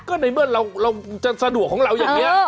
ก็ในเมื่อเราจะสะดวกของเราอย่างนี้